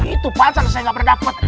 itu pak saya selesai nggak pernah dapet